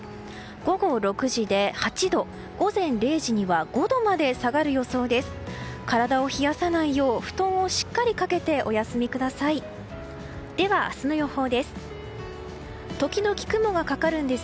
午後６時で８度午前０時には５度まで下がる予想です。